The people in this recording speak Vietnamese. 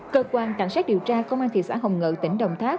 cơ quan cảnh sát điều tra công an thị xã hồng ngự tỉnh đồng tháp